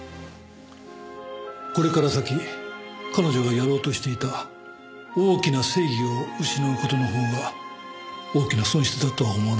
これから先彼女がやろうとしていた大きな正義を失う事のほうが大きな損失だとは思わないのか？